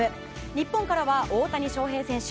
日本からは大谷翔平選手